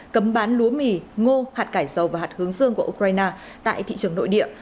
cấm bán lúa mì ngô hạt cải dầu và hạt hướng dương của ukraine tại thị trường nội địa